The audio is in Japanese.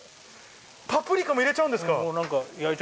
パプリカも入れちゃうんですか？